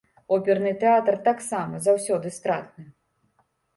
Оперны тэатр таксама заўсёды стратны.